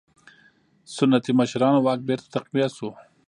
سنتي مشرانو واک بېرته تقویه شو.